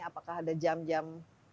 apakah ada jam jam